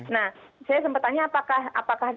nah saya sempat tanya apakah